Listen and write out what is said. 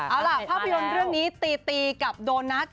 เอาล่ะภาพยนตร์เรื่องนี้ตีตีกับโดนัท